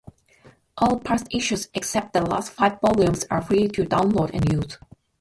All past issues except the last five volumes are free to download and use.